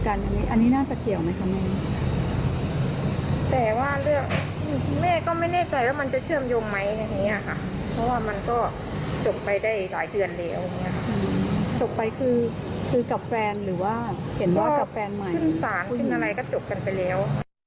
ขึ้นสารขึ้นอะไรก็จบกันไปแล้ว